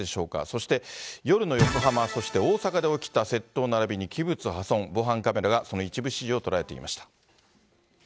そして夜の横浜、そして大阪で起きた窃盗ならびに器物破損、防犯カメラがその一部始終を捉えていました。